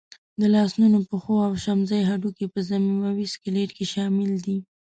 د لاسنونو، پښو او شمزۍ هډوکي په ضمیموي سکلېټ کې شامل دي.